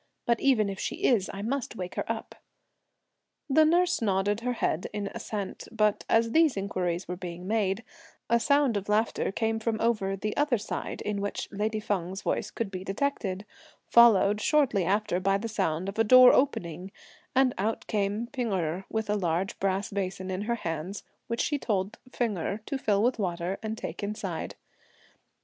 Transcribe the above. But if even she is I must wake her up." The nurse nodded her head in assent, but as these inquiries were being made, a sound of laughter came from over the other side, in which lady Feng's voice could be detected; followed, shortly after, by the sound of a door opening, and out came P'ing Erh, with a large brass basin in her hands, which she told Feng Erh to fill with water and take inside.